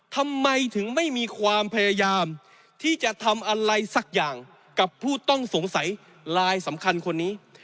ทำไมถึงไม่มีความพยายามที่จะทำอะไรสักอย่างกับผู้ต้องสงสัยลายสำคัญคนนี้